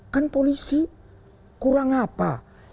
kan polisi kurang apa